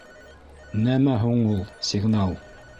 Нәмә һуң ул сигнал?